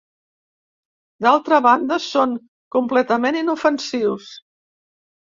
D'altra banda, són completament inofensius.